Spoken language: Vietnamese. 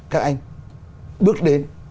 các anh bước đến